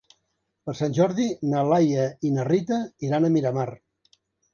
Per Sant Jordi na Laia i na Rita iran a Miramar.